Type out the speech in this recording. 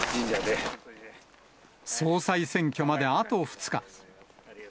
総裁選挙まであと２日。